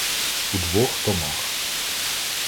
У двох томах.